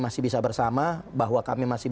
masih bisa bersama bahwa kami masih